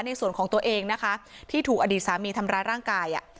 ในส่วนของตัวเองนะคะที่ถูกอดีตสามีทำร้ายร่างกาย